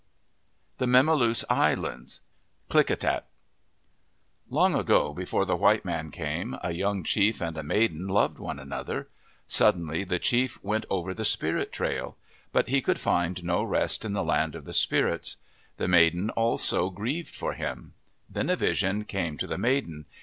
97 MYTHS AND LEGENDS THE MEMALOOSE ISLANDS Klickitat ENG ago, before the white man came, a young chief and a maiden loved one another. Suddenly the chief went over the spirit trail. But he could find no rest in the land of the spirits. The maiden also grieved for him. Then a vision came to the maiden.